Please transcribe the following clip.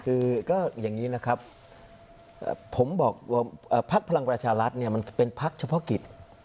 คือก็อย่างนี้นะครับผมบอกว่าพักพลังประชารัฐเนี่ยมันเป็นพักเฉพาะกิจ